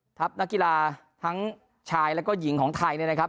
นักกีฬาทั้งชายแล้วก็หญิงของไทยเนี่ยนะครับ